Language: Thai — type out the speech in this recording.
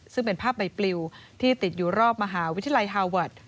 ซึ่งเป็นภาพใบปลิวที่ติดอยู่รอบมหาวิทยาลัยฮาเวิร์ด